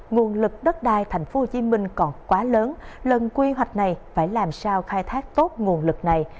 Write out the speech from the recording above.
nguồn lực đất đai tp hcm còn quá lớn lần quy hoạch này phải làm sao khai thác tốt nguồn lực này